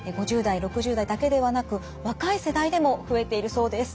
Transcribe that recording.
５０代６０代だけではなく若い世代でも増えているそうです。